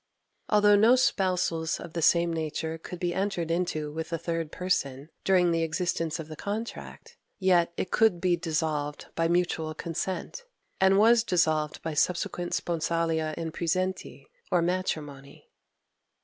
Although no spousals of the same nature could be entered into with a third person during the existence of the contract, yet it could be dissolved by mutual consent, and was dissolved by subsequent sponsalia in praesenti, or matrimony.